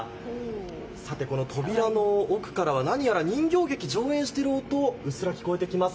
さて、この扉の奥からは何やら人形劇、上演している音うっすら聞こえてきます。